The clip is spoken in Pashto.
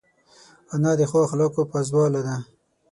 انا د ښو اخلاقو پازواله ده